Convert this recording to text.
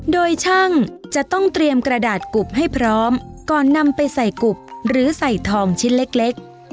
โดยช่างจะต้องเตรียมกระดาษกุบให้พร้อมก่อนนำไปใส่กุบหรือใส่ทองชิ้นเล็ก